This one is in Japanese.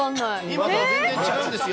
今とは全然違うんですよ。